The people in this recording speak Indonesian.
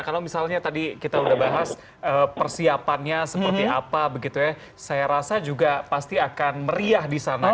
kalau misalnya tadi kita sudah bahas persiapannya seperti apa begitu ya saya rasa juga pasti akan meriah di sana